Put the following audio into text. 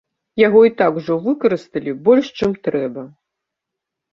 Яго і так ужо выкарысталі больш, чым трэба.